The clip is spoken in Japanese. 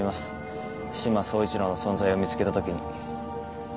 志摩総一郎の存在を見つけたときに。